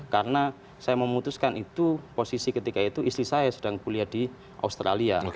karena saya memutuskan itu posisi ketika itu istri saya sedang kuliah di australia